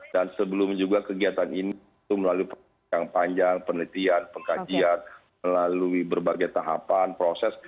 dan sebelum juga kegiatan ini melalui penelitian pengkajian melalui berbagai tahapan proses